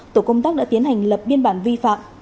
tổ công tác đã tiến hành lập biên bản vi phạm